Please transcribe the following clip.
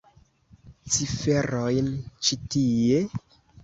Ciferojn ĉi tie?